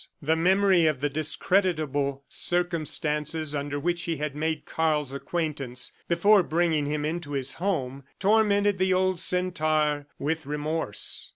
The memory of the discreditable circumstances under which he had made Karl's acquaintance, before bringing him into his home, tormented the old centaur with remorse.